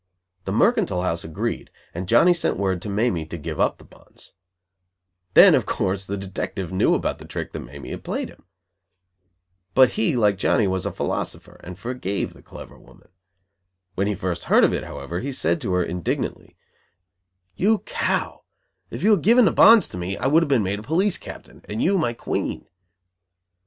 The mercantile house agreed, and Johnny sent word to Mamie to give up the bonds. Then, of course, the detective knew about the trick that Mamie had played him. But he, like Johnny, was a philosopher, and forgave the clever woman. When he first heard of it, however, he had said to her, indignantly: "You cow, if you had given the bonds to me, I would have been made a police captain, and you my queen."